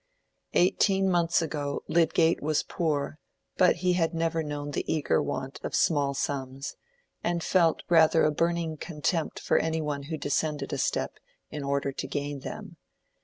Eighteen months ago Lydgate was poor, but had never known the eager want of small sums, and felt rather a burning contempt for any one who descended a step in order to gain them.